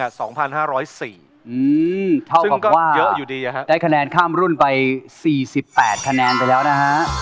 อื้มเท่ากับว่าได้คะแนนข้ามรุ่นไป๔๘คะแนนไปแล้วนะฮะ